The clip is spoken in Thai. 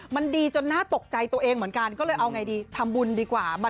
มันดีจนน่าตกใจตัวเองเหมือนกันก็เลยเอาไงดีทำบุญดีกว่า